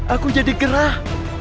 aku jadi gerah